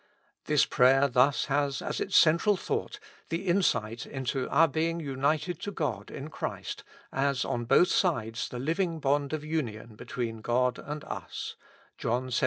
This prayer thus has as its central thought the insight into our being united to God in Christ as on both sides the living bond of union between God and us (John xvii.